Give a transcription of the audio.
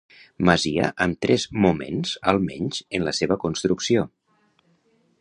Masia amb tres moments almenys en la seva construcció.